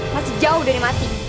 masih jauh dari mati